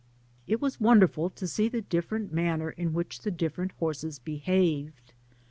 It was singular to see the different manner in which the different horses behaved.